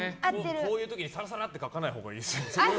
こういう時にさらさらって書かないほうがいいですよ。